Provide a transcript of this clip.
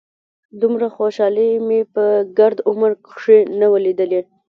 دومره خوشالي مې په ګرد عمر کښې نه وه ليدلې.